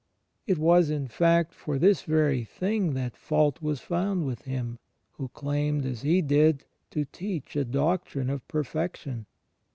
It was, in fact, for this very thing that fault was found with Him, who claimed, as He did, to teach a doctrine of perfection.